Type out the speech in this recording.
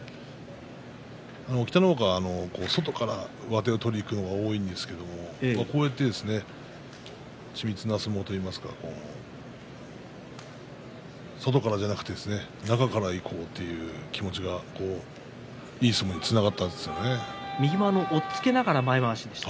北の若は外から上手を取りにいくことが多いんですけれどこうやって緻密な相撲といいますか外からではなく中からいこうという気持ちが右も押っつけながら前まわしでした。